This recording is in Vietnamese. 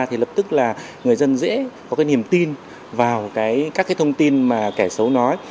thì lập tức là người dân dễ có cái niềm tin vào các cái thông tin mà kẻ xấu nói